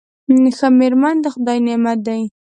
ښه میرمن د خدای نعمت دی.